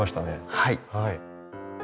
はい。